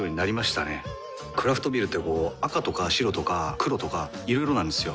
クラフトビールってこう赤とか白とか黒とかいろいろなんですよ。